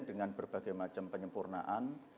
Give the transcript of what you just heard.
dengan berbagai macam penyempurnaan